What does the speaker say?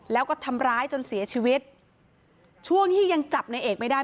แล้วก็ทำร้ายจนเสียชีวิตช่วงที่ยังจับในเอกไม่ได้